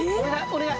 お願い！